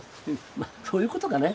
まあそういうことかね。